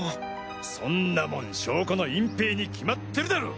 そんなもん証拠の隠ぺいに決まってるだろう？